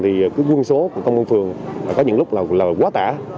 thì quân số của công an phường có những lúc là quá tải